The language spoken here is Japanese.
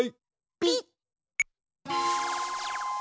ピッ。